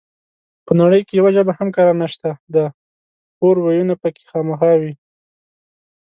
په نړۍ کې يوه ژبه هم کره نشته ده پور وييونه پکې خامخا وي